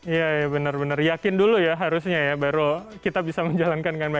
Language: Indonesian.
iya benar benar yakin dulu ya harusnya ya baru kita bisa menjalankan dengan baik